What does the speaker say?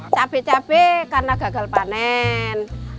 cabai cabai karena gagal panen